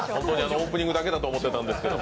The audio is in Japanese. オープニングだけだと思ってたんですけど。